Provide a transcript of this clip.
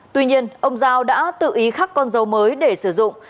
tuy nhiên ông giao đã tự ý khắc con dấu mới để sử dụng